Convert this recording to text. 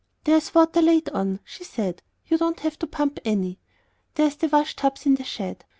"There's water laid on," she said; "you don't have to pump any. Here's the washtubs in the shed.